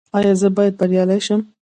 ایا زه باید بریالی شم؟